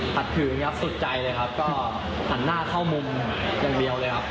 ขัดขืนครับสุดใจเลยครับก็หันหน้าเข้ามุมอย่างเดียวเลยครับ